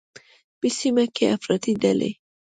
په سیمه کې افراطي ډلې